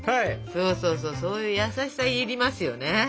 そうそうそうそういう優しさ要りますよね。